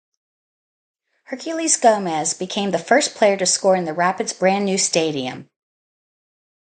Herculez Gomez became the first player to score in the Rapids' brand new stadium.